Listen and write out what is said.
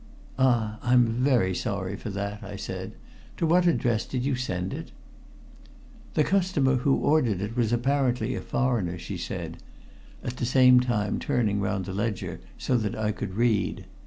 "Ah, I'm very sorry for that," I said. "To what address did you send it?" "The customer who ordered it was apparently a foreigner," she said, at the same time turning round the ledger so that I could read.